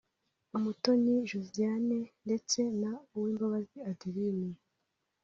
Umutoni Josiane ndetse na Uwimbabazi Adeline